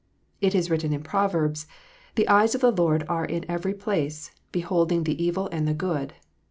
It is written in Proverbs, " The eyes of the Lord are in every place, behold ing the evil and the good."